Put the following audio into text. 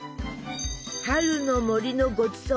春の森のごちそう。